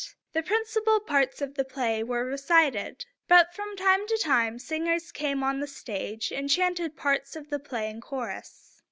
The principal parts of the play were recited; but from time to time singers came on the stage, and chanted parts of the play in chorus.